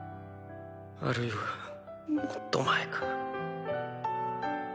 あるいはもっと前か。